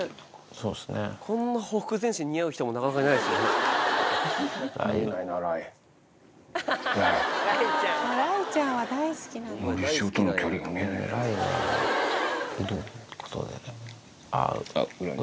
そうっすね。